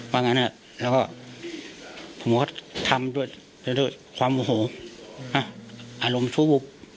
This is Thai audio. แล้วก็ผมก็ทำด้วยความโอโหอารมณ์ทุบุบ